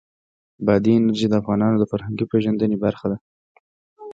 بادي انرژي د افغانانو د فرهنګي پیژندنې برخه ده.